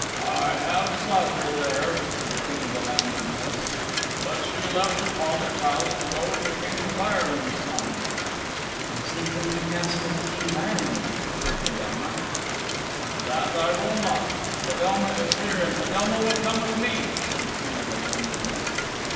"I have sought her there," said the King of the Land of Mist, "but she left her father's house to go with the King of Ireland's Son." "Then seek her in the Castle of the King of Ireland," said Fedelma. "That I will not. Fedelma is here, and Fedelma will come with me," said the King of the Land of Mist.